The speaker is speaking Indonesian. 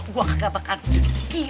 gua kagak makan teki